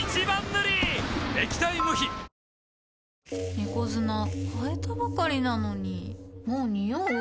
猫砂替えたばかりなのにもうニオう？